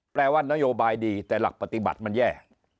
แปลว่านโยบายดีแต่หลักปฏิบัติมันแย่